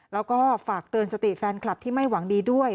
แล้วก็ฝากเตือนสติแฟนคลับที่ไม่หวังดีด้วย